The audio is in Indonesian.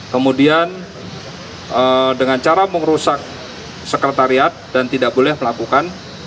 kemudian dengan cara merusak sekretariat dan tidak boleh melakukan